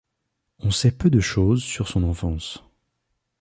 On sait peu de choses sur son enfance.